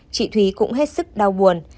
chị thúy cũng hết sức đau buồn